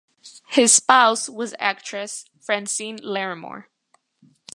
His spouse was actress Francine Larrimore.